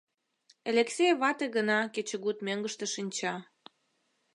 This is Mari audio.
Элексей вате гына кечыгут мӧҥгыштӧ шинча.